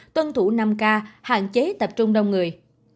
tuân thủ năm k hạn chế tập trung đông người